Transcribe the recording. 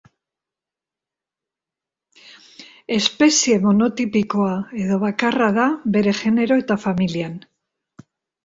Espezie monotipikoa edo bakarra da bere genero eta familian.